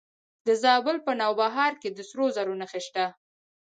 د زابل په نوبهار کې د سرو زرو نښې شته.